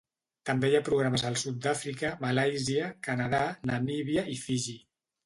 També hi ha programes al sud d'Àfrica, Malàisia, Canadà, Namíbia i Fiji.